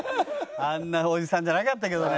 あんなおじさんじゃなかったけどね。